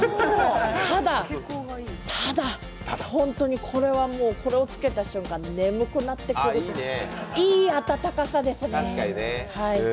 ただ、ただ、本当にこれはもうこれをつけた瞬間、眠くなってくるいい暖かさですね。